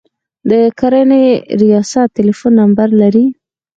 د کرنې ریاست ټلیفون نمبر لرئ؟